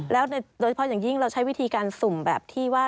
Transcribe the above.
แล้วโดยเฉพาะอย่างยิ่งเราใช้วิธีการสุ่มแบบที่ว่า